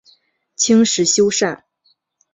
清时修缮。